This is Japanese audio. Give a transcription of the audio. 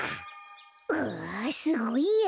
うわすごいや。